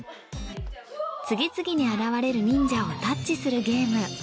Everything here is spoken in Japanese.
次々に現れる忍者をタッチするゲーム。